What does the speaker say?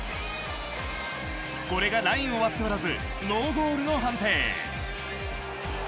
これがラインを割っておらずノーゴールと判定。